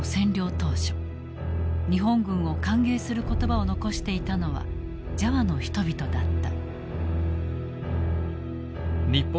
当初日本軍を歓迎する言葉を残していたのはジャワの人々だった。